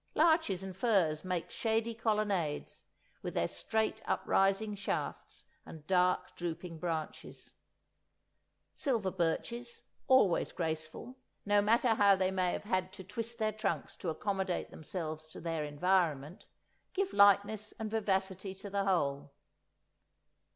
Larches and firs make shady colonnades, with their straight uprising shafts, and dark drooping branches; silver birches, always graceful, no matter how they may have had to twist their trunks to accommodate themselves to their environment, give lightness and vivacity to the whole.